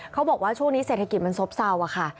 เขาบอกว่าช่วงนี้เศรษฐกิจมันซบเศร้าค่ะ